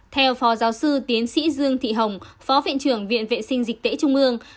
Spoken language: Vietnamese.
theo phó giáo sư tiến sĩ dương thị hồng phó viện trưởng viện vệ sinh dịch tễ trung ương